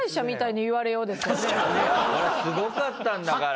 これすごかったんだから。